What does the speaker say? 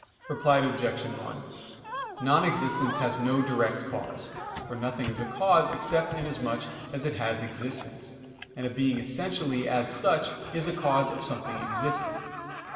Reply Obj. 1: Non existence has no direct cause; for nothing is a cause except inasmuch as it has existence, and a being essentially as such is a cause of something existing.